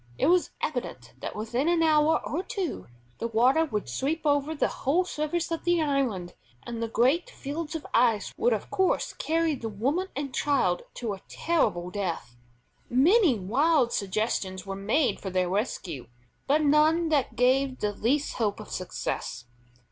It was evident that within an hour or two the water would sweep over the whole surface of the island, and the great fields of ice would of course carry the woman and child to a terrible death. Many wild suggestions were made for their rescue, but none that gave the least hope of success.